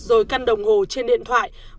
rồi căn đồng hồ trên điện thoại